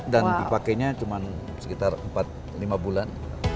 dan dipakenya cuma sekitar empat lima bulan